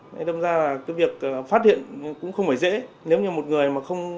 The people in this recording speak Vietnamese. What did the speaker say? nên đâm ra là cái việc phát hiện cũng không phải dễ nếu như một người mà không